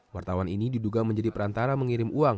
wartawan ini diduga menjadi perantara mengirim uang